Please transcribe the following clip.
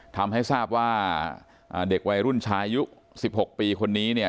ทำให้ทราบว่าเด็กวัยรุ่นชายุ๑๖ปีคนนี้เนี่ย